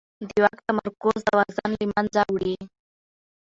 د واک تمرکز توازن له منځه وړي